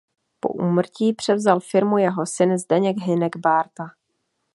Po úmrtí převzal firmu jeho syn Zdeněk Hynek Bárta.